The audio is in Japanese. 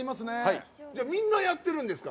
みんなやってるんですか。